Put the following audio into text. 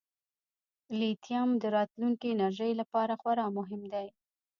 لیتیم د راتلونکي انرژۍ لپاره خورا مهم دی.